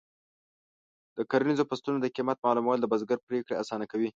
د کرنیزو فصلونو د قیمت معلومول د بزګر پریکړې اسانه کوي.